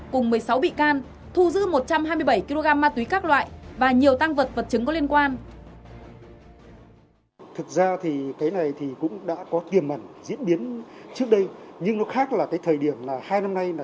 cùng một mươi sáu bị can thu giữ một trăm hai mươi bảy kg ma túy các loại và nhiều tăng vật vật chứng có liên quan